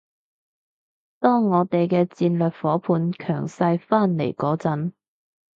當我哋嘅戰略夥伴強勢返嚟嗰陣